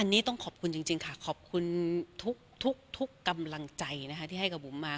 อันนี้ต้องขอบคุณจริงค่ะขอบคุณทุกกำลังใจนะคะที่ให้กับบุ๋มมา